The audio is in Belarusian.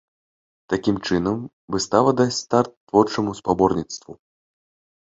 Такім чынам, выстава дасць старт творчаму спаборніцтву.